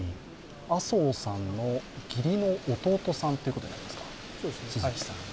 麻生さんの義理の弟さんということになりますか。